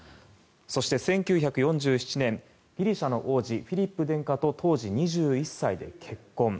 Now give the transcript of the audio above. そして、１９４７年ギリシャの王子フィリップ殿下と当時２１歳で結婚。